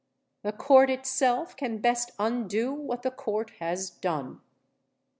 The Court itself can best undo what the Court has done.